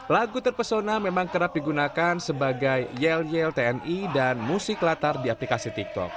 lagu terpesona memang kerap digunakan sebagai yel yel tni dan musik latar di aplikasi tiktok